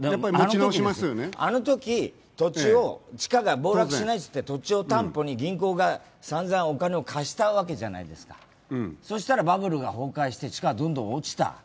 あのとき、地価が暴落しないって言って土地を担保に銀行がさんざんお金を貸したわけじゃないですかそしたらバブルが崩壊して地価がどんどん落ちた。